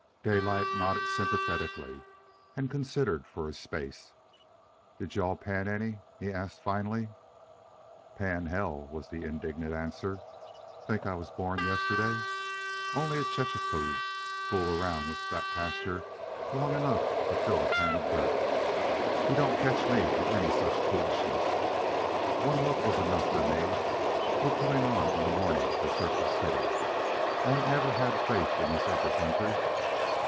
Daylight nodded sympathetically, and considered for a space. "Did you all pan any?" he asked finally. "Pan hell!" was the indignant answer. "Think I was born yesterday! Only a chechaquo'd fool around that pasture long enough to fill a pan of dirt. You don't catch me at any such foolishness. One look was enough for me. We're pulling on in the morning for Circle City. I ain't never had faith in this Upper Country.